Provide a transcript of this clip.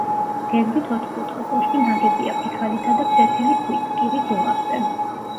გეგმით ოთხკუთხა კოშკი ნაგებია ფიქალითა და ფლეთილი ქვით კირის დუღაბზე.